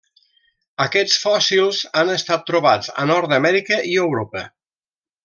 Aquests fòssils han estat trobats a Nord-amèrica i Europa.